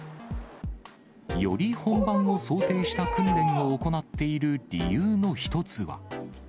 より本番を想定した訓練を行っている理由の一つは。